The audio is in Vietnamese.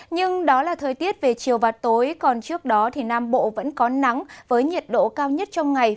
nhưng đó là thời tiết về chiều và tối còn trước đó thì nam bộ vẫn có nắng với nhiệt độ cao nhất trong ngày